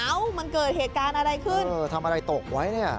เอ้ามันเกิดเหตุการณ์อะไรขึ้นเออทำอะไรตกไว้เนี่ย